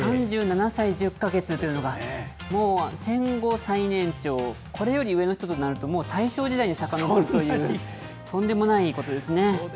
３７歳１０か月というのが、もう戦後最年長、これより上の人となると、もう大正時代にさかのぼるという、とんでもないことですね。